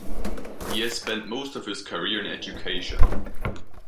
He has spent most of his career in education.